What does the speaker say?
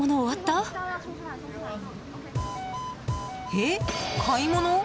え、買い物？